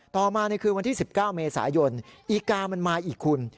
ต่อมาในคืนวันที่๑๙เมษายนอีกามันมาอีกคุณ